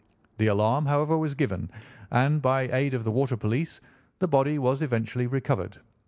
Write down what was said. The alarm, however, was given, and, by the aid of the water police, the body was eventually recovered.